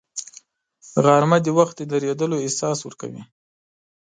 غرمه د وخت د درېدلو احساس ورکوي